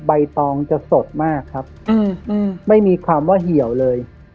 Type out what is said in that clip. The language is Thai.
ใบตองจะสดมากครับไม่มีความว่าเหี่ยวเลย